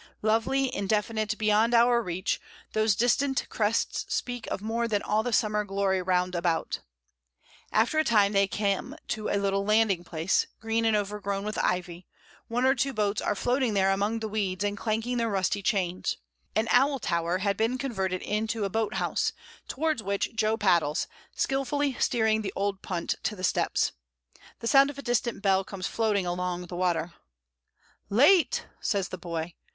Lovely, indefinite, beyond our EMPTY HOUSES. IQ reach, those distant crests speak of more than all the summer glory round about After a time they come to a little landing place, green and overgrown with ivy; one or two boats are floating there among the weeds and clanking their rusty chains; an owl tower had been con verted into a boat house, towards which Jo paddles, skilfully steering the old punt to the steps. The sound of a distant bell comes floating along the water. "Late!" says the boy.